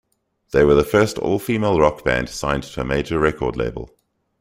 They were the first all-female rock band signed to a major record label.